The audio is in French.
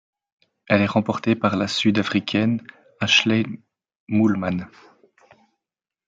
Elle est remportée par la Sud-Africaine Ashleigh Moolman.